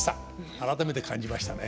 改めて感じましたね。